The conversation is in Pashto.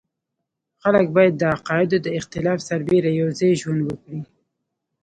خلک باید د عقایدو د اختلاف سربېره یو ځای ژوند وکړي.